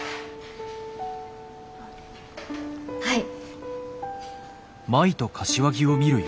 はい。